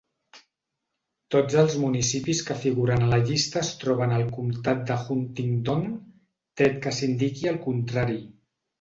Tots els municipis que figuren a la llista es troben al comtat de Huntingdon, tret que s'indiqui el contrari.